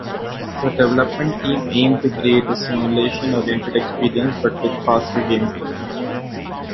The development team aimed to create a simulation-oriented experience, but with faster gameplay.